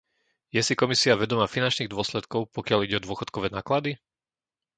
Je si Komisia vedomá finančných dôsledkov, pokiaľ ide o dôchodkové náklady?